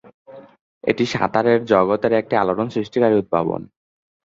এটি সাঁতারের জগতে একটি আলোড়ন সৃষ্টিকারী উদ্ভাবন।